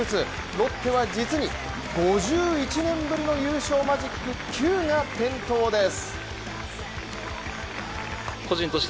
ロッテは実に５１年ぶりの優勝マジック９が点灯です。